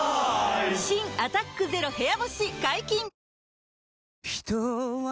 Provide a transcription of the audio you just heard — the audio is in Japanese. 新「アタックＺＥＲＯ部屋干し」解禁‼チリーン。